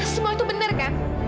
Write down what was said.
semua itu bener kan